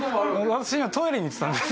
私今トイレに行ってたんです。